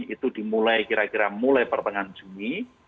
itu dimulai kira kira mulai pertengahan juni